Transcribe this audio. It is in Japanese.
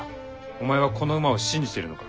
お前はこの馬を信じてるのか？